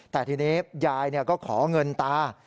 แต่ทีนี้ยายก็ขอเงินตา